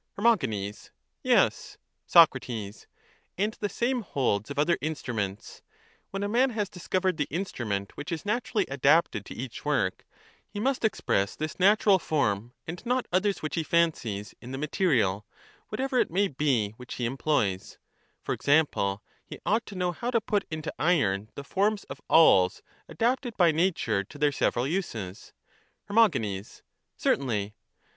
Her. Yes. Soc. And the same holds of other instruments : when a man has discovered the instrument which is naturally adapted to each work, he must express this natural form, an^ not others which he fancies, in the material, whatever it may be, which he employs ; for example, he ought to know how to put into iron the forms of awls adapted by nature to their several uses? Her. Certainly.